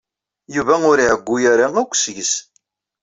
Yuba ur iɛeyyu ara akk seg-s.